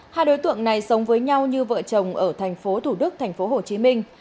hai đối tượng này sống với nhau như vợ chồng ở thành phố thủ đức thành phố hồ chí minh